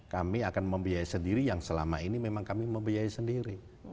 kami akan membiayai sendiri yang selama ini memang kami membiayai sendiri